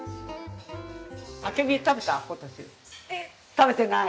食べてない？